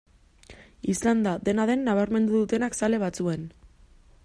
Izan da, dena den, nabarmendu dutenak zale batzuen.